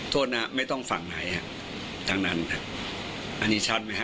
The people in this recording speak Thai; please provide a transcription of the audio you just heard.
โทษนะไม่ต้องฝั่งไหนฮะทั้งนั้นอันนี้ชัดไหมฮ